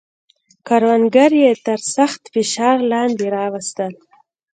کروندګر یې تر سخت فشار لاندې راوستل.